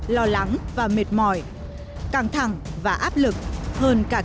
lo lắng và mệt mỏi căng thẳng và áp lực hơn cả kỳ thi